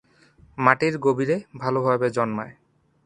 মাটির গভীরে ভালভাবে জন্মায়।